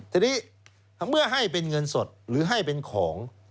ทีนี้เมื่อให้เป็นเงินสดหรือให้เป็นของ